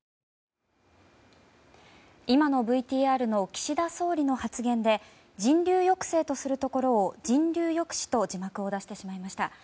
今のＶＴＲの岸田総理の発言で人流抑制とするところを人流抑止と字幕を出してしまいました。